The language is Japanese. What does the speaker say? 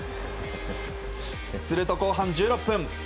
すると後半１６分。